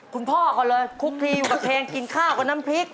คุณพ่อก่อนเลยคุกคลีอยู่กับเพลงกินข้าวกับน้ำพริก